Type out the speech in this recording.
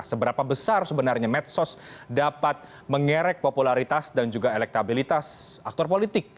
seberapa besar sebenarnya medsos dapat mengerek popularitas dan juga elektabilitas aktor politik